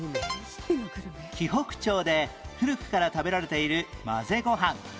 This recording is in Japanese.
鬼北町で古くから食べられている混ぜご飯